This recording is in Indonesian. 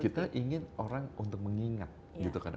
kita ingin orang untuk mengingat gitu kan